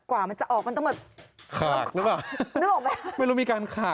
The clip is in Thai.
กว่ามันจะออกมันต้องมาขาดหรือเปล่าเผ็ดออกไปไม่รู้มีการขาดหรือหรือ